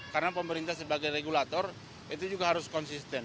karena pemerintah sebagai regulator itu juga harus konsisten